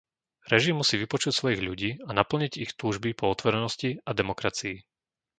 Režim musí vypočuť svojich ľudí a naplniť ich túžby po otvorenosti a demokracii.